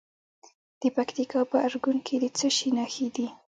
د پکتیکا په ارګون کې د څه شي نښې دي؟